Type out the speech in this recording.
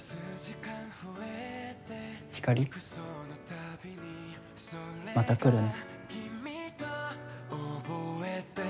ひかりまた来るね。